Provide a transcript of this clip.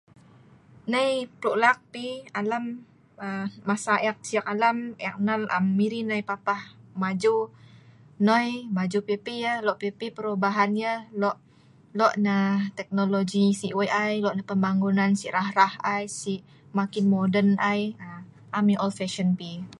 Nai plu lak pi, alam aa masa ek cik alam, ek nal am Miri nai papah maju. Noi maju pipi yah, lo' pi-pi perubahan yah, lo lo nah teknologi si wei' ai lo' nah pembangunan si rah-rah ai, si makin modern ai, am yah ol Pisen pi.